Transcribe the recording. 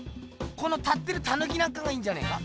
この立ってるタヌキなんかがいいんじゃねえか。